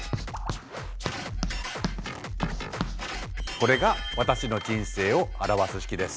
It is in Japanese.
これが私の人生を表す式です。